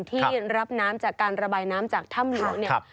ที่รับน้ำจากการระบายน้ำจากถ้ำหลวงเนี่ย